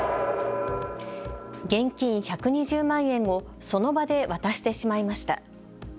現金１２０万円をその場で渡してしまいました。